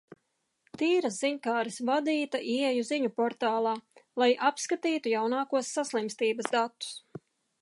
Tīras ziņkāres vadīta ieeju ziņu portālā, lai apskatītu jaunākos saslimstības datus.